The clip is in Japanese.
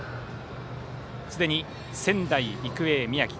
すでに仙台育英、宮城。